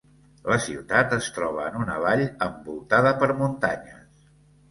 La ciutat es troba en una vall envoltada per muntanyes.